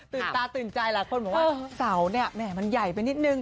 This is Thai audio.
ตื่นตาตื่นใจละคนบอกว่าเสาเนี่ยมันใหญ่ไปนิดนึง